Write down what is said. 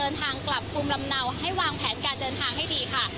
เดินทางกลับภูมิลำเนาให้วางแผนการเดินทางให้ดีค่ะ